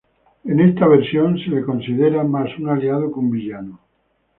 En esta versión, se lo considera más un aliado que un villano.